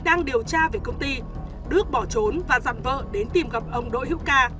đang điều tra về công ty đức bỏ trốn và dặn vợ đến tìm gặp ông đội hữu ca